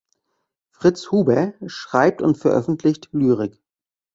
Fritz Huber schreibt und veröffentlicht Lyrik.